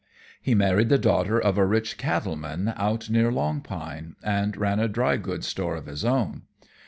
He married the daughter of a rich cattle man out near Long Pine, and ran a dry goods store of his own.